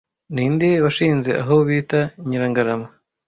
Ninde washinze aho bita Nyirangarama